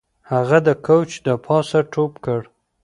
هغه د کوچ د پاسه ټوپ کړ